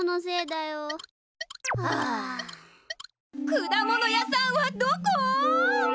くだもの屋さんはどこ！？